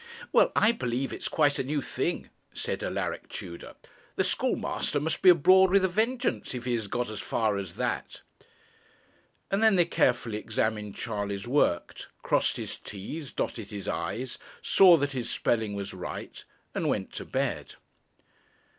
'Well, I believe it's quite a new thing,' said Alaric Tudor. 'The schoolmaster must be abroad with a vengeance, if he has got as far as that.' And then they carefully examined Charley's work, crossed his t's, dotted his i's, saw that his spelling was right, and went to bed.